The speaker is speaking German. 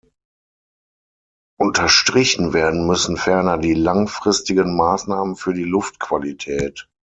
Unterstrichen werden müssen ferner die langfristigen Maßnahmen für die Luftqualität.